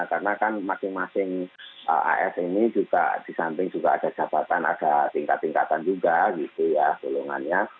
karena kan masing masing asn ini juga disamping juga ada jabatan ada tingkat tingkatan juga gitu ya golongannya